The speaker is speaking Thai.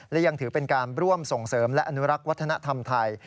และยังถือเป็นการร่วมส่งเสริมและอนุรักษ์วัฒนธรรมไทย